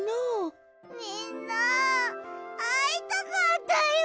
みんなあいたかったよ！